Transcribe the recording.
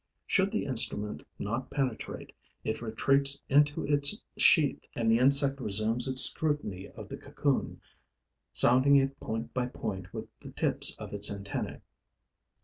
Should the instrument not penetrate, it retreats into its sheath and the insect resumes its scrutiny of the cocoon, sounding it point by point with the tips of its antennae.